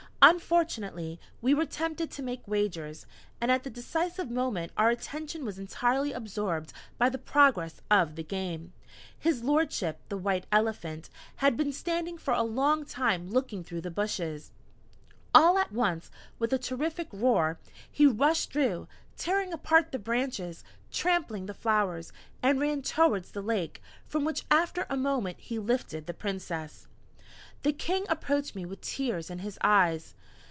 Unfortunately, we were tempted to make wagers, and at the decisive moment our attention was entirely absorbed by the progress of the game. His Lordship, the White Elephant, had been standing for a long time looking through the bushes. All at once with a terrific roar he rushed through, tearing apart the branches, trampling the flowers, and ran towards the lake, from which after a moment he lifted the Princess." The King approached me with tears in his eyes.